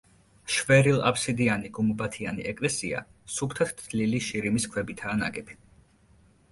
შვერილ აფსიდიანი გუმბათიანი ეკლესია სუფთად თლილი შირიმის ქვებითაა ნაგები.